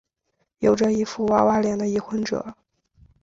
有着一副娃娃脸的已婚者。